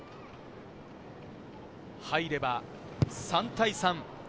入れば３対３。